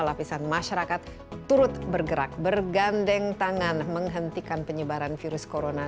lapisan masyarakat turut bergerak bergandeng tangan menghentikan penyebaran virus corona